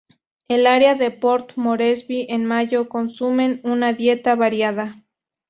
En el área de Port Moresby en mayo consumen una dieta variada.